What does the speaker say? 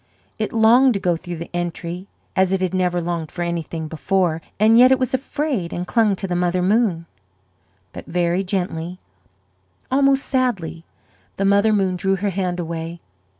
It longed to go through the entry as it had never longed for anything before; and yet it was afraid and clung to the Mother Moon. But very gently, almost sadly, the Mother Moon drew her hand away.